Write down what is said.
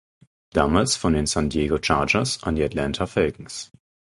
Damals von den San Diego Chargers an die Atlanta Falcons.